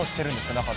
中で。